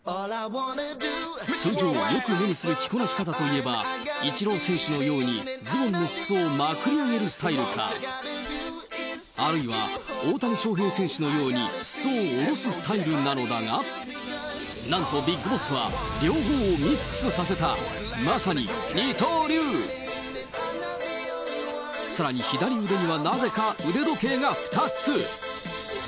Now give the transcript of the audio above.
通常、よく目にする着こなし方といえば、イチロー選手のようにズボンのすそをまくり上げるスタイルか、あるいは大谷翔平選手のようにすそを下ろすスタイルなのだが、なんと、ビッグボスは、両方をミックスさせた、まさに二刀流。さらに左腕には、なぜか腕時計が２つ。